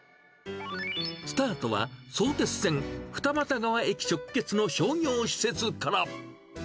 スタートは、相鉄線二俣川駅直結の商業施設から。